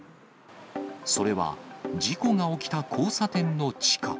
それは事故が起きた交差点の地下。